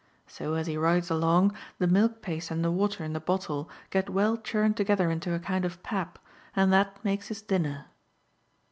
So, as he rides along, the milk paste and the water in the bottle get well churned together into a kind of pap, and that makes his dinner.